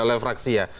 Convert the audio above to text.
oleh fraksi ya